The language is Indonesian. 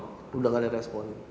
sudah enggak ada respon